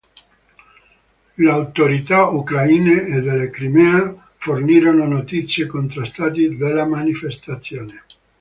Le autorità ucraine e della Crimea fornirono notizie contrastanti della manifestazione.